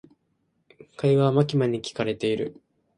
会話はマキマに聞かれている。